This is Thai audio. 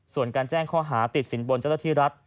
ส่วนการแจ้งข้อหาติดสินบนเจ้าหน้าที่รัฐ